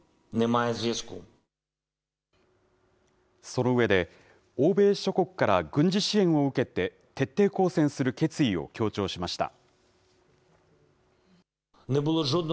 その上で、欧米諸国から軍事支援を受けて徹底抗戦する決意を強調しました。